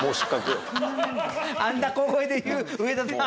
あんな小声で言う上田さん